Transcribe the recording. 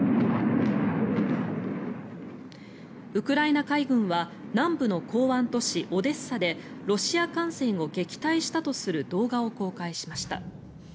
ウクライナ海軍は南部の港湾都市オデッサでロシア艦船を撃退したとする動画を公開しました。